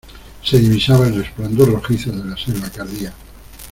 se divisaba el resplandor rojizo de la selva que ardía.